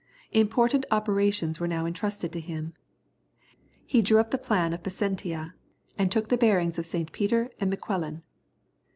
Important operations were now entrusted to him. He drew up the plan of Placentia, and took the bearings of St. Peter and Miquelon.